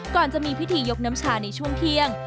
ก่อนจะมีพิธียกน้ำชาในช่วงเที่ยง